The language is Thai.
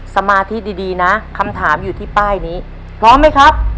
สมาธิดีนะคำถามอยู่ที่ป้ายนี้พร้อมไหมครับ